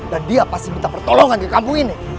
dan dia pasti minta pertolongan ke kampung ini